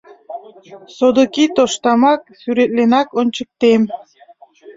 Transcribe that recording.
Содыки тоштамак, сӱретленак ончыктем.